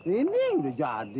ini udah jadi